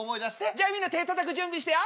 じゃあみんな手ぇたたく準備してよ。